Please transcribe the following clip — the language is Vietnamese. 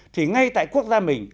thì ngay tại quốc gia mình